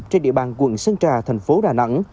trên địa bàn quận sơn trà thành phố đà nẵng